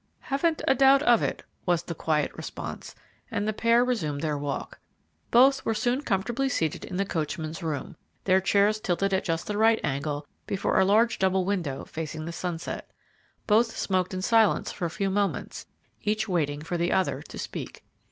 "Haven't a doubt of it," was the quiet response, and the pair resumed their walk. Both were soon comfortably seated in the coachman's room, their chairs tilted at just the right angle before a large double window, facing the sunset. Both smoked in silence for a few moments, each waiting for the other to speak.